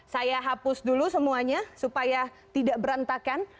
saya hapus dulu semuanya supaya tidak berantakan